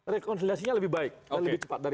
rekonsiliasinya lebih baik dan lebih cepat dari